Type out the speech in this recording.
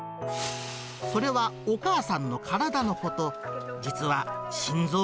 それはお母さんの体のこと。